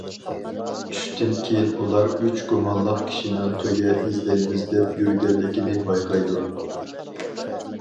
چۈشتىن كېيىن، ئۇلار ئۈچ گۇمانلىق كىشىنىڭ تۆگە ئىزدەيمىز دەپ يۈرگەنلىكىنى بايقايدۇ.